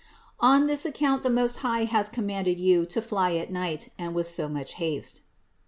On this account the Most High has commanded You to fly at night and with so much haste."